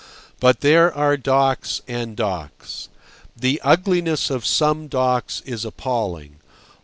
But there are docks and docks. The ugliness of some docks is appalling.